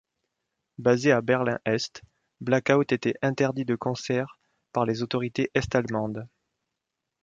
Basé à Berlin-Est, Blackout était interdit de concert par les autorités est-allemandes.